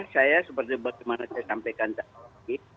saya seperti bagaimana saya sampaikan tadi